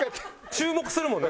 注目するもんね